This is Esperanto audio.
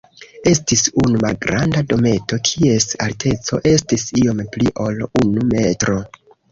Estis unu malgranda dometo, kies alteco estis iom pli ol unu metro.